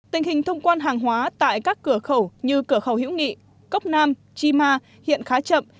tình hình thông quan hàng hóa tại các cửa khẩu như cửa khẩu hữu nghị cốc nam chi ma hiện khá chậm